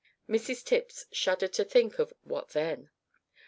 Mrs Tipps shuddered to think of "what then."